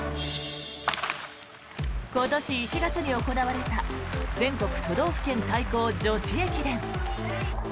今年１月に行われた全国都道府県対抗女子駅伝。